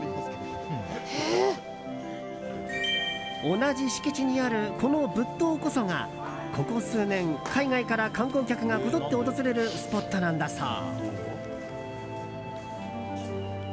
同じ敷地にあるこの仏塔こそがここ数年、海外から観光客がこぞって訪れるスポットなんだそう。